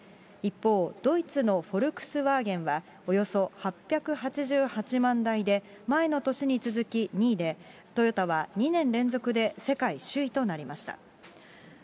一方、ドイツのフォルクスワーゲンはおよそ８８８万台で、前の年に続き２位で、トヨタは２年連続で世界首位となりました。